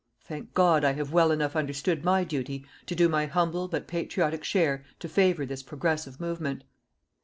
Thank God, I have well enough understood my duty to do my humble but patriotic share to favour this progressive movement.